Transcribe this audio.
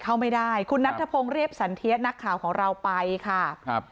เข้าไม่ได้คุณนัทธพงศ์เรียบสันเทียนักข่าวของเราไปค่ะครับ